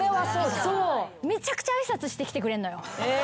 めちゃくちゃ挨拶してきてくれるのよ。